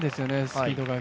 スピードが。